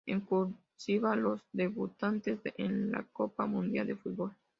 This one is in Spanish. En "cursiva", los debutantes en la Copa Mundial de Fútbol.